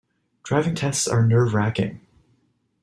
Driving tests are nerve-racking.